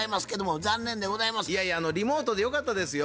いやいやリモートでよかったですよ。